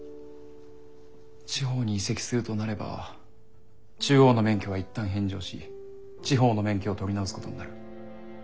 地方に移籍するとなれば中央の免許は一旦返上し地方の免許を取り直すことになる。